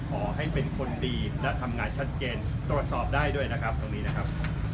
ขอให้เป็นคนดีและทำงานชัดเจนตรวจสอบได้ด้วยนะครับตรงนี้นะครับ